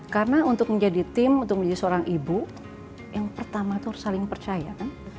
karena untuk menjadi tim untuk menjadi seorang ibu yang pertama tuh harus saling percaya kan